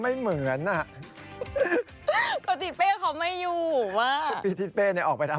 แม่เรียกให้ขึ้นมาก็ไม่ยอม